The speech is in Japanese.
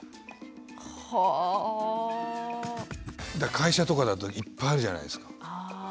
会社とかだといっぱいあるじゃないですか。